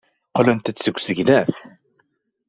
Qqlent-d seg usegnaf.